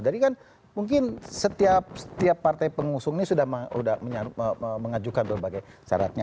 jadi kan mungkin setiap partai pengusung ini sudah mengajukan berbagai syaratnya